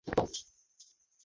সবাইকে, good morning!